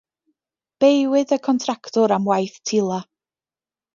Beiwyd y contractwr am waith tila.